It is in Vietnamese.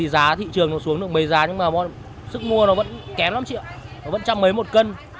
giá thị trường xuống được mấy giá nhưng mà sức mua nó vẫn kém lắm chị ạ nó vẫn trăm mấy một cân